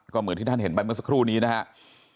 ก็เหมือนที่ท่านเห็นไปเมื่อสักครู่นี้นะครับ